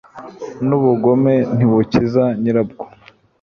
n'ubugome ntibukiza nyirabwo